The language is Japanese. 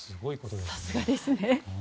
さすがですね。